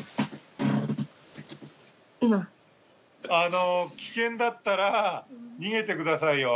今今あの危険だったら逃げてくださいよ